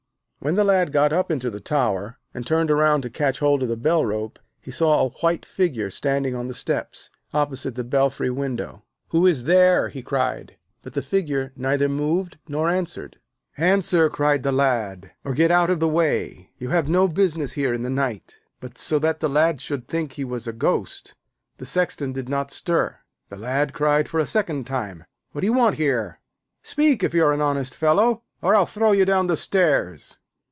When the Lad got up into the tower, and turned round to catch hold of the bell rope, he saw a white figure standing on the steps opposite the belfry window. 'Who is there?' he cried; but the figure neither moved nor answered. 'Answer,' cried the Lad, 'or get out of the way. You have no business here in the night.' But so that the Lad should think he was a ghost, the Sexton did not stir. The Lad cried for the second time: 'What do you want here? Speak if you are an honest fellow, or I'll throw you down the stairs.'